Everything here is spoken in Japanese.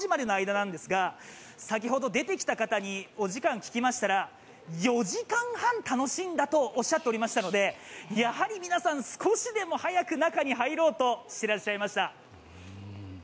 先ほど出てきた方にお時間聞きましたら４時間半楽しんだとおっしゃっておりましたのでやはり皆さん、少しでも早く中に入ろうとしてらっしゃいました。